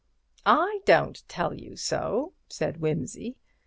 "I don't tell you so," said Wimsey.